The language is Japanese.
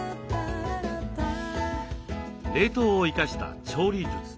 冷凍を生かした調理術。